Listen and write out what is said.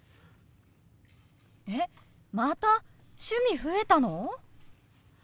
えっまた趣味増えたの！？